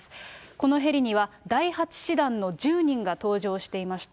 このヘリには第８師団の１０人が搭乗していました。